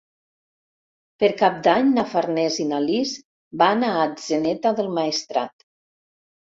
Per Cap d'Any na Farners i na Lis van a Atzeneta del Maestrat.